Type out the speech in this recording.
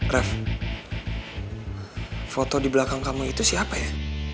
ref foto di belakang kamu itu siapa ya